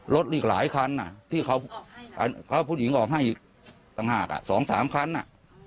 รถอีกหลายคันที่เขาผู้หญิงออกให้อีกต่างหาก๒๓คันอ่ะ